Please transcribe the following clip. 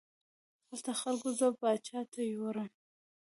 هلته خلکو زه پاچا ته یووړم.